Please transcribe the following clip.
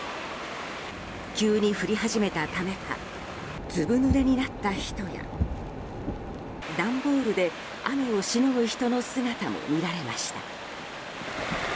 急に降り始めたためかずぶ濡れになった人や段ボールで雨をしのぐ人の姿も見られました。